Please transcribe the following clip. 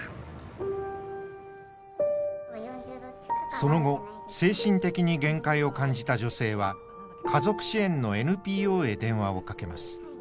その後精神的に限界を感じた女性は家族支援のＮＰＯへ電話をかけます。